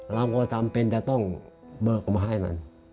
เราก็จำเป็นจะต้องเบอร์ผมมาให้มัน